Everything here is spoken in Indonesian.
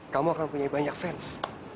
kamu akan punya banyak fans